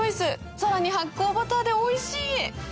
更に発酵バターでおいしい！